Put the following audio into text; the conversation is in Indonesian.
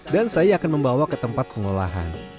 dan saya akan membawa ke tempat pengolahan